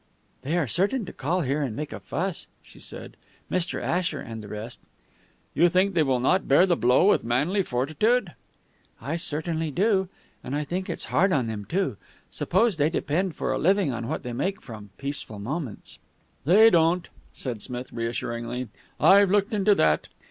"They are certain to call here and make a fuss," she said, "Mr. Asher and the rest." "You think they will not bear the blow with manly fortitude?" "I certainly do. And I think it's hard on them, too. Suppose they depend for a living on what they make from Peaceful Moments?" "They don't," said Smith reassuringly. "I've looked into that.